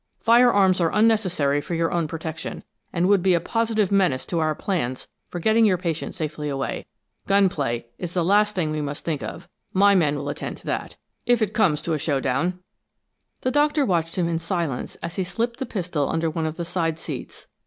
Fire arms are unnecessary for your own protection, and would be a positive menace to our plans for getting your patient safely away. Gun play is the last thing we must think of; my men will attend to all that, if it comes to a show down." The Doctor watched him in silence as he slipped the pistol under one of the side seats.